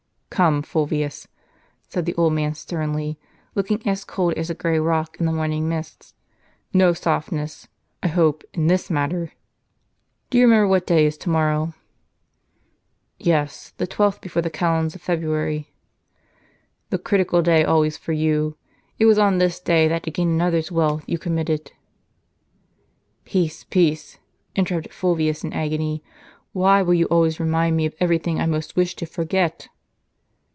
" Come, Fulvius," said the old man sternly, looking as cold as a grey rock in the morning mist ; "no softness, I hope, in this matter. Do you remember what day is to morrow ?"" Yes, the twelfth before the calends of February." *" The critical day always for you. It was on this day that to gain another's wealth, you committed " "Peace, peace!" interrupted Fulvius in agony. "Why will you always renund me of every thing I most wish to forget?